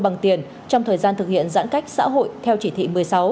bằng tiền trong thời gian thực hiện giãn cách xã hội theo chỉ thị một mươi sáu